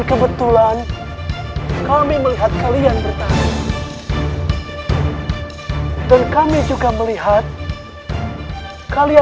semua tidak ada yang mengenai kak kanda